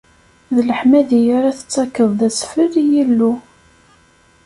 D leḥmadi ara tettakeḍ d asfel i Yillu.